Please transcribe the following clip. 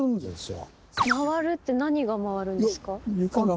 回るって何が回るんですか？